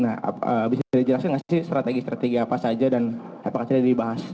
nah bisa dijelasin nggak sih strategi strategi apa saja dan apakah sudah dibahas